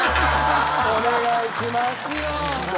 お願いしますよ！